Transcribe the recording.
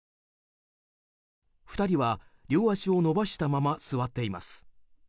２人は両足を伸ばしたまま座っています。